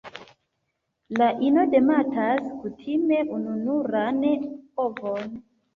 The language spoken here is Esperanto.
La ino demetas kutime ununuran ovon.